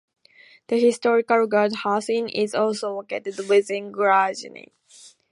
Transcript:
The historic Guard House Inn is also located within Gladwyne.